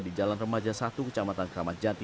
di jalan remaja satu kecamatan kramat jati